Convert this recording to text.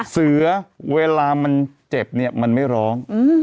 เสือเวลามันเจ็บเนี่ยมันไม่ร้อง